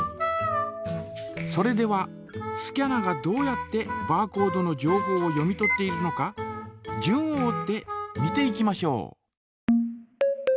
それではスキャナがどうやってバーコードの情報を読み取っているのか順を追って見ていきましょう。